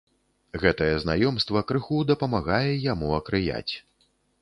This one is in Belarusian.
Гэтае знаёмства крыху дапамагае яму акрыяць.